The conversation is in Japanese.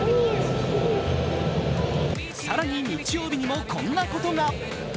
更に日曜日にもこんなことが。